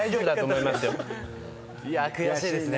いや悔しいですね。